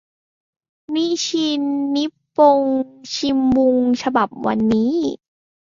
นิชินิปปงชิมบุง ฉบับวันนี้